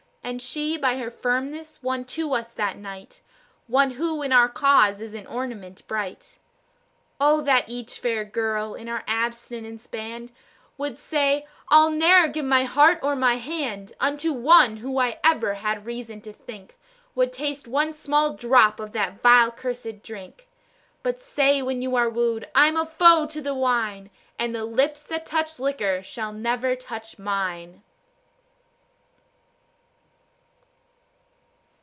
And she, by her firmness, won to us that night One who in our cause is an ornament bright. Oh! that each fair girl in our abstinence band Would say: "I'll ne'er give my heart or my hand Unto one who I ever had reason to think Would taste one small drop of the vile, cursed drink"; But say, when youare wooed, "I'm a foe to the wine, And the lips that touch liquor shall never touch mine."